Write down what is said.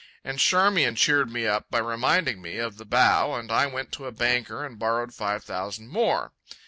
And Charmian cheered me up by reminding me of the bow, and I went to a banker and borrowed five thousand more.